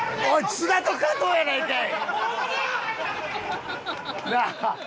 津田と加藤やないかい。